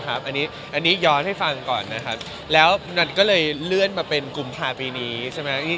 อันนี้ย้อนให้ฟังก่อนนะครับแล้วมันก็เลยเลื่อนมาเป็นกุมภาปีนี้ใช่ไหม